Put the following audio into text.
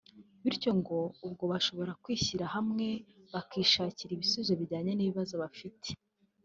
bityo ngo ubwabo bashobora kwishyira hamwe bakishakira ibisubizo bijyanye n’ibibazo bafite